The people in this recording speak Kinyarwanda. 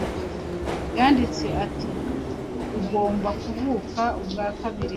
Yanditse ati 'Ugomba kuvuka ubwa kabiri.'